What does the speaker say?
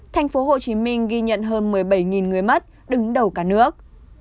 tp hcm ghi nhận hơn một mươi bảy người mất đứng đầu cả nước